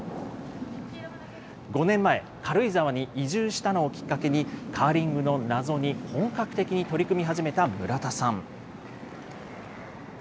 ５年前、軽井沢に移住したのをきっかけに、カーリングの謎に本格的に取り組み始めた村田さん。